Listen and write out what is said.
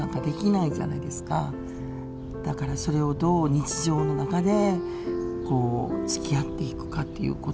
だからそれをどう日常の中でつきあっていくかっていうことで。